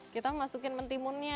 kita masukin mentimunnya